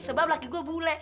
sebab laki gua bule